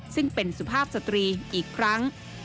ซึ่งเป็นสุภาพสตรีอีกครั้ง